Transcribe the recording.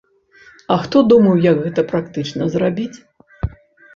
А хто думаў, як гэта практычна зрабіць?